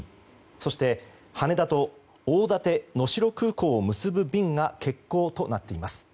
そして、羽田と大館能代空港を結ぶ便が欠航となっています。